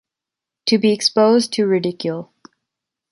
To be exposed to ridicule.